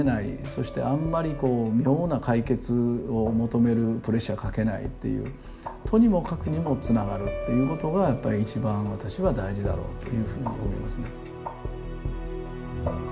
そしてあんまりこう妙な解決を求めるプレッシャーかけないっていうとにもかくにもつながるっていうことがやっぱり一番私は大事だろうというふうに思いますね。